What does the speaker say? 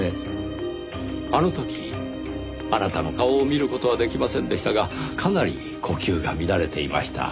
あの時あなたの顔を見る事はできませんでしたがかなり呼吸が乱れていました。